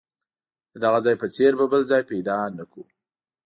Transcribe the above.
د دغه ځای په څېر به بل ځای پیدا نه کړو.